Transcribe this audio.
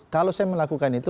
kalau saya melakukan itu